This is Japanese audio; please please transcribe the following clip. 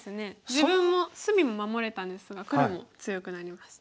自分も隅も守れたんですが黒も強くなりました。